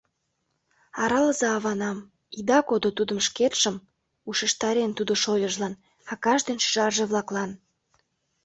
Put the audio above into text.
«Аралыза аванам, ида кодо тудым шкетшым», — ушештарен тудо шольыжлан, акаж ден шӱжарже-влаклан.